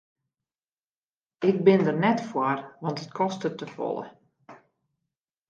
Ik bin der net foar want it kostet te folle.